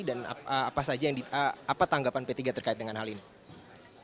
dan apa saja yang apa tanggapan p tiga terkait dengan hal ini